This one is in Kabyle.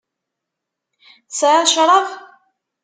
Tesεiḍ ccrab?